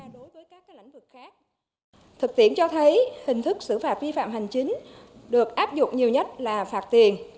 đối với các lãnh vực khác thực tiễn cho thấy hình thức xử phạt vi phạm hành chính được áp dụng nhiều nhất là phạt tiền